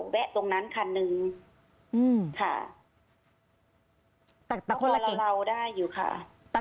แวะตรงนั้นคันนึงอืมค่ะแต่คนละเก๋งเราได้อยู่ค่ะ